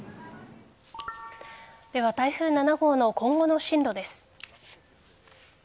では台風７号の今後の進路です。